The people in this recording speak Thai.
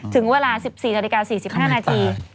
ถึงเวลา๑๔นาฬิกา๔๕นาที